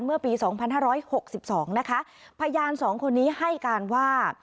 เมื่อปีสองพันห้าร้อยหกสิบสองนะคะพยานสองคนนี้ให้การว่า